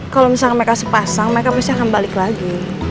kalau misalnya mereka sepasang mereka pasti akan balik lagi